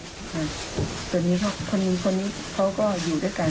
ตอนนี้เค้าก็อยู่ด้วยกัน